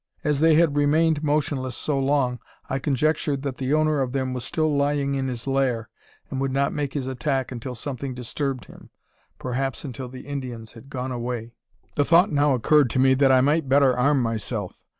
As they had remained motionless so long, I conjectured that the owner of them was still lying in his lair, and would not make his attack until something disturbed him; perhaps until the Indians had gone away. The thought now occurred to me that I might better arm myself.